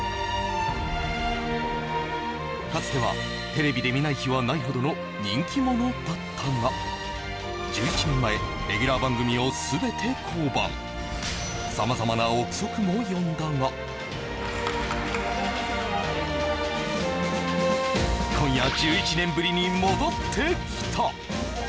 かつてはテレビで見ない日はないほどの人気者だったが１１年前、レギュラー番組を全て降板さまざまな憶測も呼んだが今夜、１１年ぶりに戻ってきた。